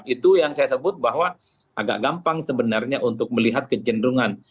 itu yang saya sebut bahwa agak gampang sebenarnya untuk melihat kecenderungan